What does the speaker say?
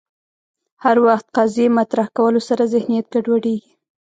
هر وخت قضیې مطرح کولو سره ذهنیت ګډوډېږي